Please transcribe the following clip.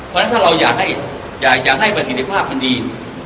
เพราะฉะนั้นถ้าเราอยากให้ประสิทธิภาพมันดี